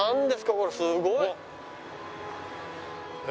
これすごい！ええ！？